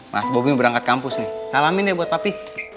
mas bobi berangkat kampus nih salamin ya buat papi